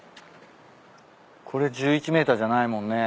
これ１１ｍじゃないもんね。